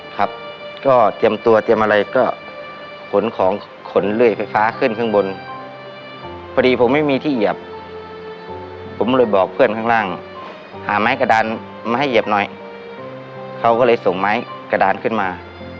ครับก็เตรียมตัวเตรียมอะไรก็ขนของขนเลื่อยไฟฟ้าขึ้นข้างบนพอดีผมไม่มีที่เหยียบผมเลยบอกเพื่อนข้างล่างหาไม้กระดานมาให้เหยียบหน่อยเขาก็เลยส่งไม้กระดานขึ้นมา